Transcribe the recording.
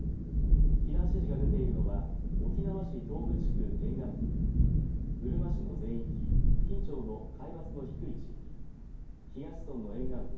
避難指示が出ているのは沖縄市東部地区沿岸部うるま市の全域金武町の海抜の低い地域東村の沿岸部